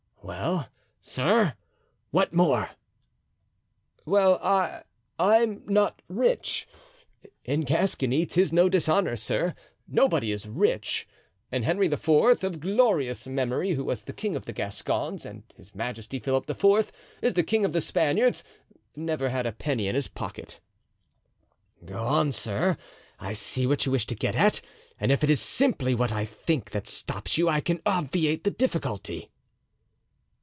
"Well, sir? What more?" "Well—I—I'm not rich. In Gascony 'tis no dishonor, sir, nobody is rich; and Henry IV., of glorious memory, who was the king of the Gascons, as His Majesty Philip IV. is the king of the Spaniards, never had a penny in his pocket." "Go on, sir, I see what you wish to get at; and if it is simply what I think that stops you, I can obviate the difficulty."